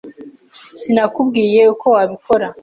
Sinakubwiye uko wabikora?